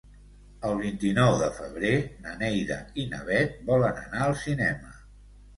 El vint-i-nou de febrer na Neida i na Bet volen anar al cinema.